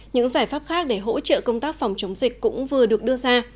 những giải pháp khác để hỗ trợ công tác phòng chống dịch cũng vừa được đưa ra